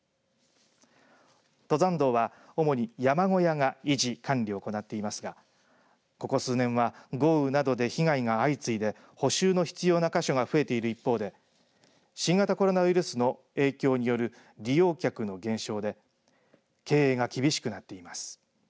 登山道は主に山小屋が維持、管理を行っていますがここ数年は豪雨などで被害が相次いで補修の必要な箇所が増えている一方で新型コロナウイルスの影響による利用客の減少で経営が厳しくなっています。